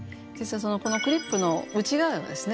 このクリップの内側はですね